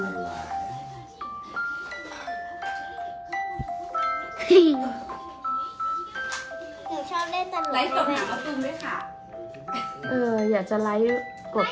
อะไรทำไรตรุุตรุตรุตรอ